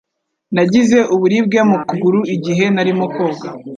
Nagize uburibwe mu kuguru igihe narimo koga.